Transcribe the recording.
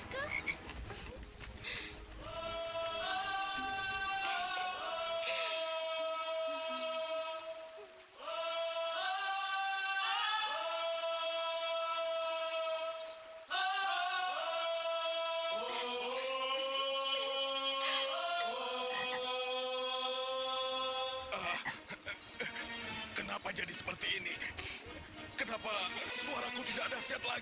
kenapa suaraku tidak ada sihat lagi